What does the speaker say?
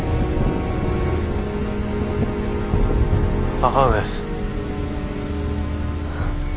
母上。